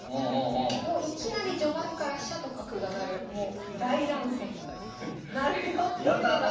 もういきなり序盤から飛車と角が成る大乱戦になるよっていうのが。